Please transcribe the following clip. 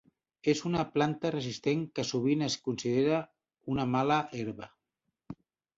És una planta resistent que sovint es considera una mala herba.